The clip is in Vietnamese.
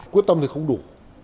quyết tâm thì không đủ